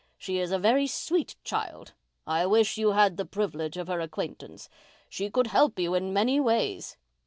She is a very sweet child. I wish you had the privilege of her acquaintance. She could help you in many ways.